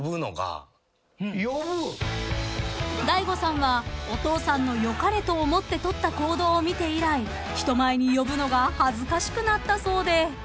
［大悟さんはお父さんのよかれと思って取った行動を見て以来人前に呼ぶのが恥ずかしくなったそうで］